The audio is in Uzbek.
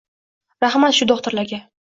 Rahmat, shu do`xtirlarga